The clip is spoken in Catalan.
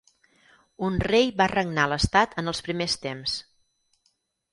Un rei va regnar l'estat en els primers temps.